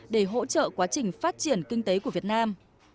để hỗ trợ quá trình phát triển kinh tế của việt nam